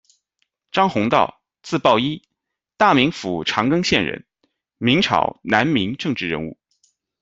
张弘道，字抱一，大名府长垣县人，明朝、南明政治人物。